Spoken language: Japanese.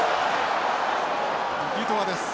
デュトワです。